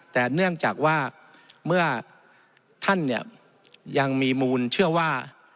แต่เนื่องจากว่าเมื่อท่านเนี่ยยังมีมูลเชื่อว่า